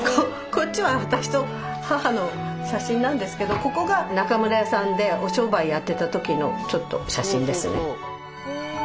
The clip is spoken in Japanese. こっちは私と母の写真なんですけどここが中村屋さんでお商売やってた時のちょっと写真ですね。